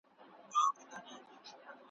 او په داخل او بهر کي یې ټول افغانان ویرجن کړل `